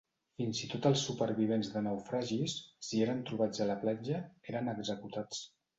Fins i tot els supervivents de naufragis, si eren trobats a la platja, eren executats.